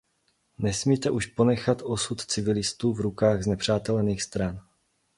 Nesmíme už ponechat osud civilistů v rukách znepřátelených stran.